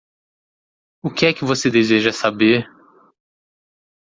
O que é que você deseja saber?